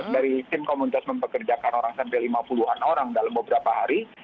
dari tim komunitas mempekerjakan orang sampai lima puluh an orang dalam beberapa hari